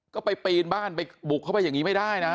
ก็ไปปีนบ้านไปบุกเข้าไปอย่างนี้ไม่ได้นะ